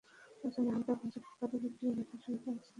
ওজনে হালকা এবং ছোট আকারে গুটিয়ে রাখার সুবিধা আছে সেলফি স্টিকের।